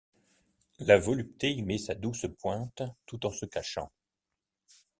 La volupté y met sa douce pointe, tout en se cachant.